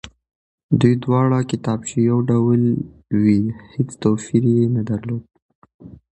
دې دواړې کتابچې يو ډول وې هېڅ توپير يې نه درلود،